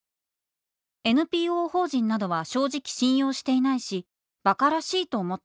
ＮＰＯ法人などは正直信用していないし馬鹿らしいと思っています。